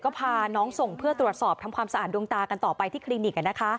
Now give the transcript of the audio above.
ก็พาน้องส่งเพื่อตรวจสอบทำความสะอาดดวงตากันต่อไปที่คลินิก